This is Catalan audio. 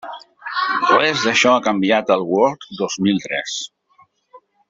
Res d'això ha canviat al Word dos mil tres.